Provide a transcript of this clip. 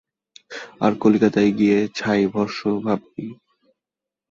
আর কলিকাতায় গিয়েই ছাইভস্ম ভাববি।